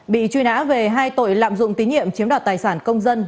bị truy nã về hai tội lạm dụng tín nhiệm chiếm đoạt tài sản công dân